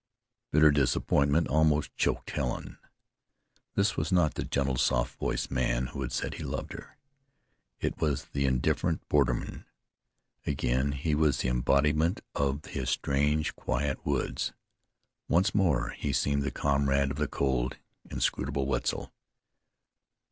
Bitter disappointment almost choked Helen. This was not the gentle, soft voiced man who had said he loved her. It was the indifferent borderman. Again he was the embodiment of his strange, quiet woods. Once more he seemed the comrade of the cold, inscrutable Wetzel.